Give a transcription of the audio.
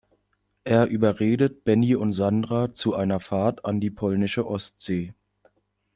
Er überredet Benni und Sandra zu einer Fahrt an die polnische Ostsee.